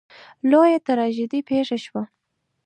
لویه تراژیدي پېښه شوه.